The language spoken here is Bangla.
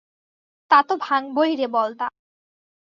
তাতো ভাঙবোই রে, বলদা।